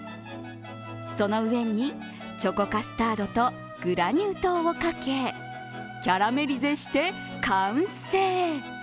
その上にチョコカスタードとグラニュー糖をかけキャラメリゼして完成。